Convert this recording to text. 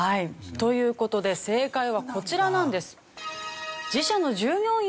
という事で正解はこちらなんです。